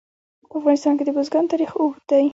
په افغانستان کې د بزګان تاریخ اوږد دی.